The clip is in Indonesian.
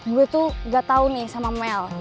gue tuh gak tau nih sama mel